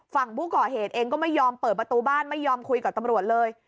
ฝั่งผู้ก่อเหตุเองก็ไม่ยอมเปิดประตูบ้านไม่ยอมคุยกับตำรวจเลย